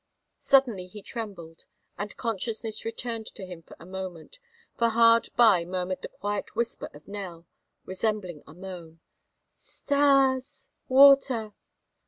Suddenly he trembled and consciousness returned to him for a moment, for hard by murmured the quiet whisper of Nell, resembling a moan: "Stas water!"